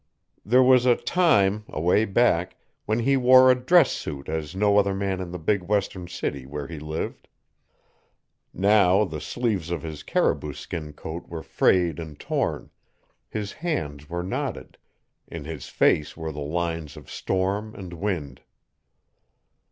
There was a time, away back, when he wore a dress suit as no other man in the big western city where he lived; now the sleeves of his caribou skin coat were frayed and torn, his hands were knotted, in his face were the lines of storm and wind.